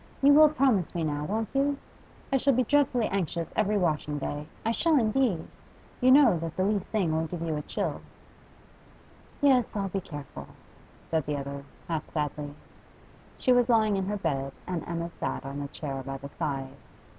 You will promise me now, won't you? I shall be dreadfully anxious every washing day, I shall indeed. You know that the least thing'll give you a chill.' 'Yes, I'll be careful,' said the other, half sadly. She was lying in her bed, and Emma sat on a chair by the side.